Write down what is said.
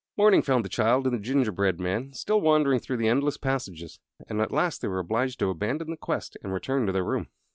Morning found the child and the gingerbread man still wandering through the endless passages, and at last they were obliged to abandon the quest and return to their room.